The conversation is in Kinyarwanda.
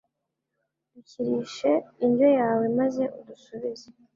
dukirishe indyo yawe maze udusubize